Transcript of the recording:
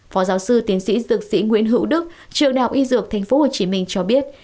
phó giáo sư tiến sĩ dược sĩ nguyễn hữu đức trường đạo y dược tp hồ chí minh cho biết